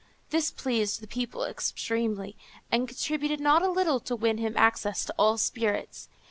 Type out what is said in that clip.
This pleased the people extremely, and contributed not a little to win him access to all spirits.